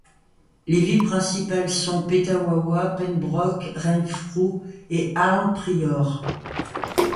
Les villes principales sont Petawawa, Pembroke, Renfrew et Arnprior.